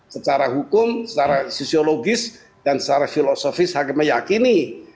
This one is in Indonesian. secara hukum secara sisiologis dan secara filosofis hakim meyakini